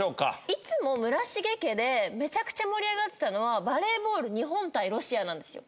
いつも村重家でめちゃくちゃ盛り上がってたのはバレーボール日本対ロシアなんですよ。